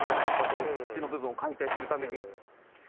この土の部分を解体するために。